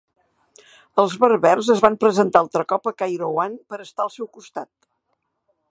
Els berbers es van presentar altre cop a Kairouan per estar al seu costat.